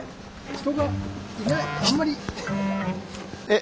「人がいない」？